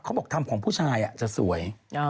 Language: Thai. บอกทำของผู้ชายจะสวย